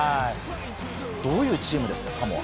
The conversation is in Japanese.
どういうチームですか、サモア。